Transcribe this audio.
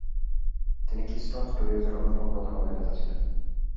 তিনি কিস্টোন স্টুডিওজের অন্যতম প্রধান অভিনেতা ছিলেন।